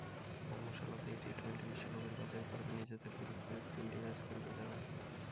ধর্মশালাতেই T twenty বিশ্বকাপের বাছাই পর্বে নিজেদের গ্রুপের তিনটি ম্যাচ খেলবে তারা।